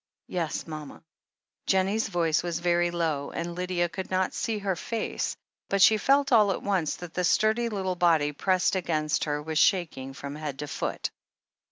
"Yes, mama." Jennie's voice was very low, and Lydia could not see her face, but she felt all at once that the sturdy little body pressed against her was shaking from head to foot.